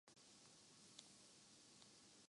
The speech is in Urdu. جمہوریت ہو گی۔